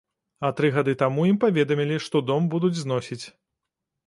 А тры гады таму ім паведамілі, што дом будуць зносіць.